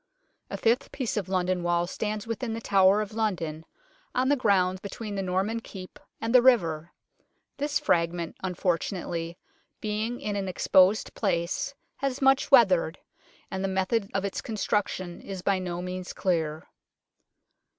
A fifth piece of London Wall stands within The Tower of London, on the ground between the Norman Keep and the river. This fragment, unfortunately, being in an exposed place, has much weathered, and the method of its construc tion is by no means clear.